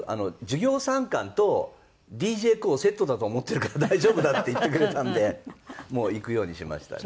授業参観とＤＪＫＯＯセットだと思ってるから大丈夫だ」って言ってくれたんでもう行くようにしました。